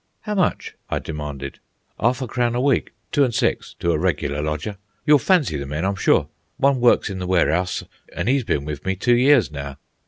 "How much?" I demanded. "'Arf a crown a week, two an' six, to a regular lodger. You'll fancy the men, I'm sure. One works in the ware'ouse, an' 'e's been with me two years now.